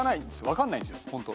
分かんないんですよホント。